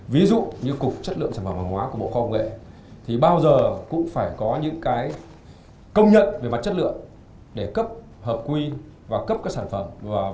ví dụ như cục chất lượng sản phẩm hàng hóa của bộ khoa công nghệ thì bao giờ cũng phải có những công nhận về mặt chất lượng để cấp hợp quy và cấp các sản phẩm